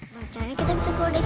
makanya kita bisa kabur dari sini